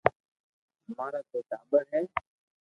امارآ نو ٽاٻر ھي